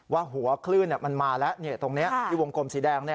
ว่าหัวคลื่นมันมาแล้วตรงนี้ที่วงกลมสีแดง